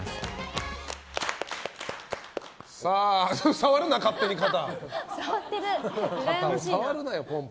触るな、勝手に、肩。